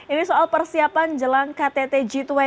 ini soal persiapan jelang ktt g dua puluh